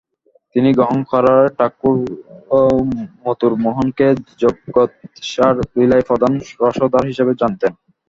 তিনি গ্রহণ করায় ঠাকুরও মথুরমোহনকে জগদম্বার লীলায় প্রধান রসদদার হিসাবে জানতেন।